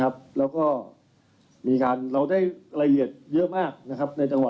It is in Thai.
แล้วก็มีการเราได้ละเอียดเยอะมากนะครับในจังหวะ